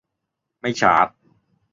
ไม่ชาร์จ